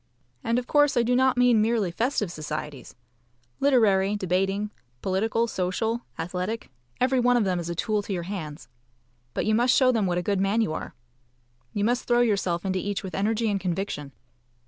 And of course I do not mean merely festive societies. Literary, debating, political, social, athletic, every one of them is a tool to your hands. But you must show them what a good man you are. You must throw yourself into each with energy and conviction.